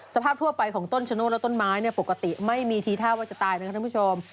ทั่วไปของต้นชะโนธและต้นไม้ปกติไม่มีทีท่าว่าจะตายนะครับท่านผู้ชม